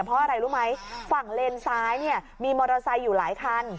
เพราะอะไรรู้ไหมฝั่งเลนซ้ายเนี่ยมีมอเตอร์ไซค์อยู่หลายคัน